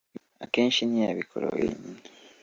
akenshi ntiyabikora wenyine.